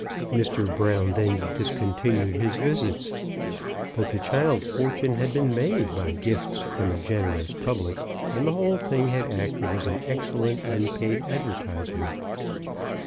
Mr. Brown then discontinued his visits; but the child's fortune had been made by gifts from a generous public, and the whole thing had acted as an excellent unpaid advertisement.